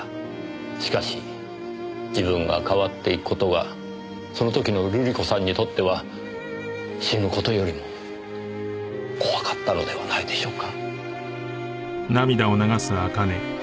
しかし自分が変わっていく事がその時の瑠璃子さんにとっては死ぬ事よりも怖かったのではないでしょうか。